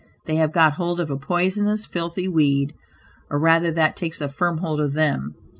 They have got hold of a poisonous, filthy weed, or rather that takes a firm hold of them.